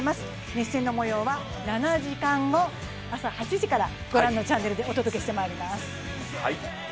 熱線の模様は７時間後朝８時から御覧のチャンネルでお届けしてまいります。